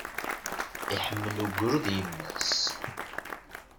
Iḥemmel ugrud yemma-s.